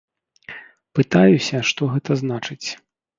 Пытаюся, што гэта значыць.